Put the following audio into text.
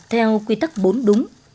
theo quy tắc bốn đúng